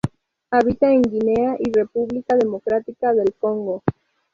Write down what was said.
Habita en Guinea y República Democrática del Congo.